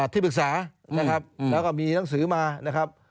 ที่ปรึกษานะครับแล้วก็มีหนังสือมานะครับ